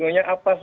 sebenarnya apa sih